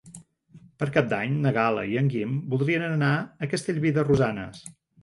Per Cap d'Any na Gal·la i en Guim voldrien anar a Castellví de Rosanes.